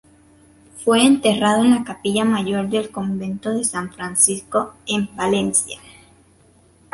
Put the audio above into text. Fue enterrado en la capilla mayor del Convento de San Francisco, en Palencia.